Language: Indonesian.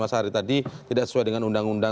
mas hari tadi tidak sesuai dengan undang undang